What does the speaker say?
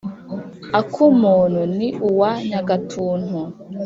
akumuntu ni uwa nyagatuntu.